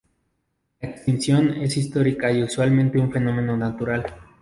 La extinción es histórica y usualmente un fenómeno natural.